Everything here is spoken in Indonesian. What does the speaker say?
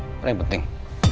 apa yang penting